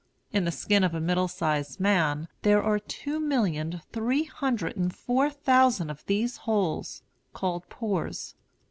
In the skin of a middle sized man there are two millions three hundred and four thousand of these holes, called pores.